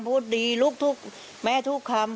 พูดดีลุกทุกแม่ทุกคำ